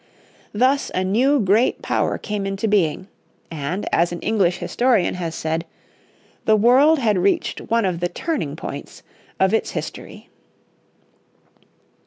Thus a new great power came into being, and as an English historian has said, "the world had reached one of the turning points of its history."